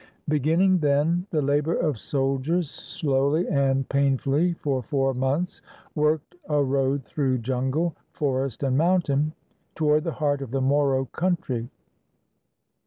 Beginning then, the labor of soldiers slowly and pain fully for four months worked a road through Jungle, forest, and mountain toward the heart of the Moro country.